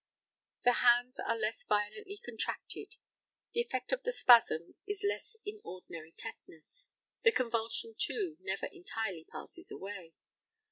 The hands are less violently contracted; the effect of the spasm is less in ordinary tetanus. The convulsion, too, never entirely passes away.